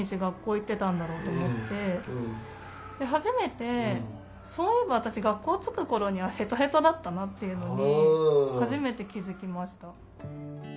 初めてそういえば私学校着く頃にはヘトヘトだったなっていうのに初めて気付きました。